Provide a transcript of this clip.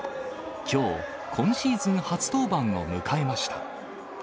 きょう、今シーズン初登板を迎えました。